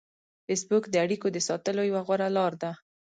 فېسبوک د اړیکو د ساتلو یوه غوره لار ده